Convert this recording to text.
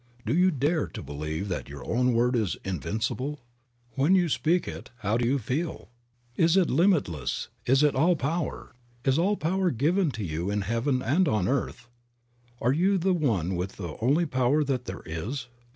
Do you dare to believe that your own word is invincible? When you speak it how do you feel? Is it limitless, is it all power, is all power given to you in heaven and on earth, are you one with the only power that there is?